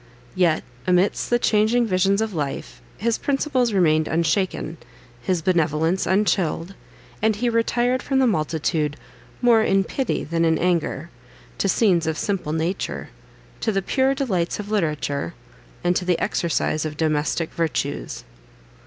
Yet, amidst the changing visions of life, his principles remained unshaken, his benevolence unchilled; and he retired from the multitude "more in pity than in anger," to scenes of simple nature, to the pure delights of literature, and to the exercise of domestic virtues.